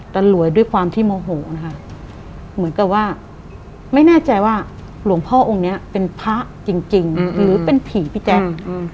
แต่หลวยด้วยความที่โมโหนะคะเหมือนกับว่าไม่แน่ใจว่าหลวงพ่อองค์นี้เป็นพระจริงหรือเป็นผีพี่แจ๊ค